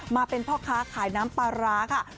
มาเป็นพ่อค้าขายน้ำปลาร้าค่ะ